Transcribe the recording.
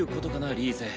リーゼ。